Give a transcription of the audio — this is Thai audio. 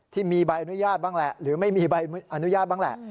ที่มีใบอนุญาตบ้างแหละหรือไม่มีใบอนุญาตบ้างแหละ